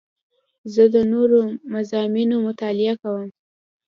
زه د نوو مضامینو مطالعه کوم.